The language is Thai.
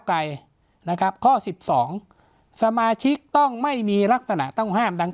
ไกลนะครับข้อสิบสองสมาชิกต้องไม่มีลักษณะต้องห้ามดัง